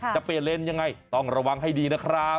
จะเปลี่ยนเลนส์ยังไงต้องระวังให้ดีนะครับ